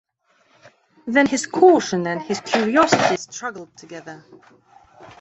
Then his caution and his curiosity struggled together.